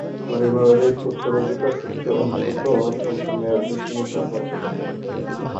পারিবারিক উত্তরাধিকারসূত্রে অন্তত স্বল্প মেয়াদে তিনি তা করতে পারতেন।